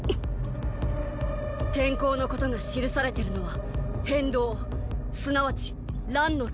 天候のことが記されてるのは「変動」即ち「乱の兆し」。